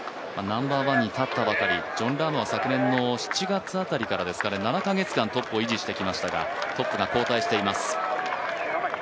ナンバーワンに立ったばかりジョン・ラームは昨年の７月辺りですかね、７カ月間、トップを維持してきましたが、トップが交代しています。